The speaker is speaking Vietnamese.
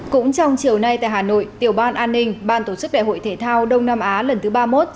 cũng trong chiều nay tại hà nội tiểu ban an ninh ban tổ chức đại hội thể thao đông nam á lần thứ ba mươi một